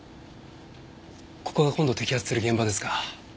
ここが今度摘発する現場ですか？